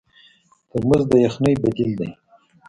ترموز د یخنۍ بدیل دی.